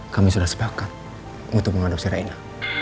kami sudah sepakat untuk mengadopsi raina